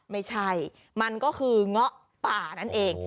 ไม่ใช่มันก็คือหัวแหล่งป่านั่นเอง